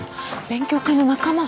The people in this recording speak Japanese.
勉強会の仲間。